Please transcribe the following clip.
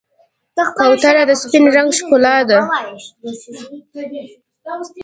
کوتره د سپین رنګ ښکلا ده.